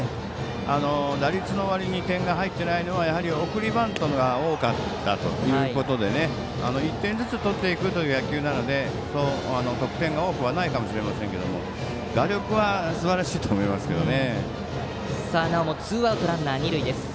打率のわりに点が入っていないのはやはり送りバントが多かったということで１点ずつ取っていくという野球なので得点が多くはないかもしれませんけれども打力はすばらしいと思いますね。